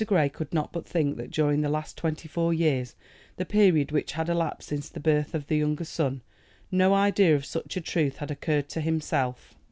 Grey could not but think that during the last twenty four years, the period which had elapsed since the birth of the younger son, no idea of such a truth had occurred to himself.